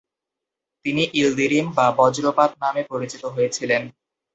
তিনি ইলদিরিম বা বজ্রপাত নামে পরিচিত হয়েছিলেন।